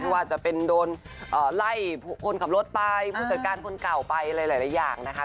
ว่าจะเป็นโดนไล่คนขับรถไปผู้จัดการคนเก่าไปอะไรหลายอย่างนะคะ